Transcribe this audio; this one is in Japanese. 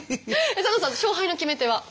サンドさん勝敗の決め手は？